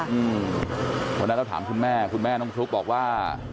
เพราะฉะนั้นเราถามคุณแม่คุณแม่น้องฟลุ๊กบอกว่า